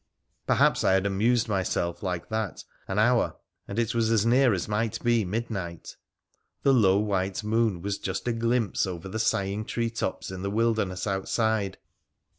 Perhaps I had amused myself like that an hour, and it was as near as might be midnight : the low, white moon was just a glimpse over the sighing tree tops in the wilderness outside.